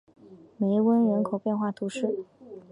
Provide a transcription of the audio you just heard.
梅翁人口变化图示